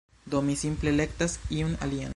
Do, mi simple elektas iun alian